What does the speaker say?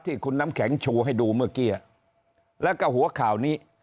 ที่คุณน้ำแข็งชูให้ดูเมื่อกี้แล้วก็หัวข่าวนี้